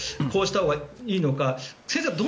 こうしたほうがいいのか先生